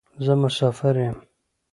زه مسافر یم.